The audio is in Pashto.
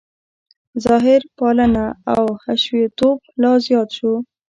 ظاهرپالنه او حشویتوب لا زیات شو.